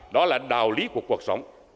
đó là đạo lý của cuộc sống